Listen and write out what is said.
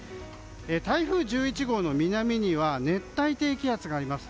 台風１１号の南には熱帯低気圧があります。